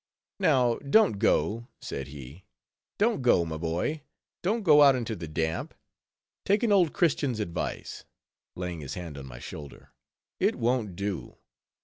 "Now, don't go," said he; "don't go, my boy; don't go out into the damp; take an old Christian's advice," laying his hand on my shoulder; "it won't do.